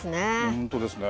本当ですね。